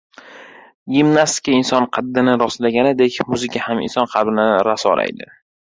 Gimnastika inson qaddini rostlaganidek, muzika ham inson qalbini rasolaydi.